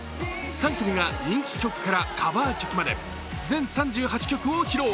３組が人気曲からカバー曲まで全３８曲を披露。